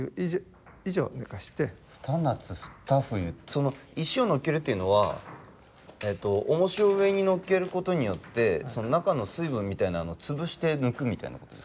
その石を載っけるというのは重しを上に載っけることによってその中の水分みたいなのを潰して抜くみたいなことですか？